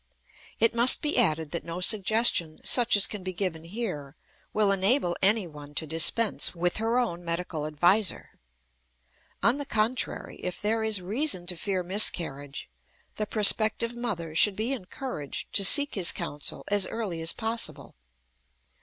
It must be added that no suggestion such as can be given here will enable anyone to dispense with her own medical adviser. On the contrary, if there is reason to fear miscarriage, the prospective mother should be encouraged to seek his counsel as early as possible.